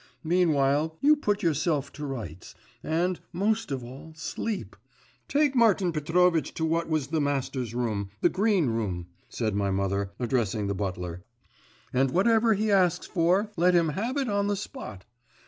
Meanwhile, you put yourself to rights, and, most of all, sleep. Take Martin Petrovitch to what was the master's room, the green room,' said my mother, addressing the butler, 'and whatever he asks for, let him have it on the spot!